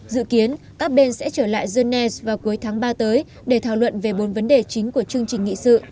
dự kiến các bên sẽ trở lại genève vào cuối tháng ba tới để thảo luận về bốn vấn đề chính của chương trình nghị sự